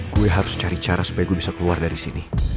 gue harus cari cara supaya gue bisa keluar dari sini